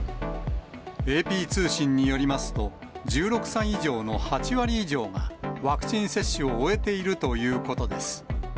ＡＰ通信によりますと、１６歳以上の８割以上が、ワクチン接種を終えているということです。